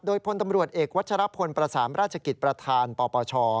โดยพลตำรวจเอกวัชรพลประสานราชกิจประธานปปช